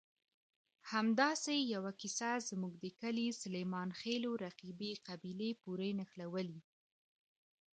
همداسې یوه کیسه زموږ د کلي سلیمانخېلو رقیبې قبیلې پورې نښلولې.